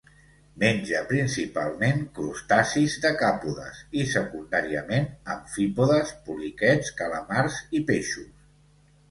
Menja principalment crustacis decàpodes i, secundàriament, amfípodes, poliquets, calamars i peixos.